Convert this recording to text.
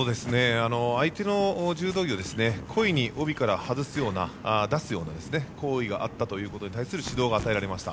相手の柔道着を故意に帯から出すような行為があったということに対する指導が与えられました。